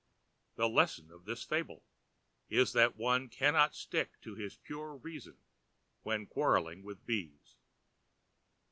The lesson of this fable is that one cannot stick to his pure reason while quarreling with bees.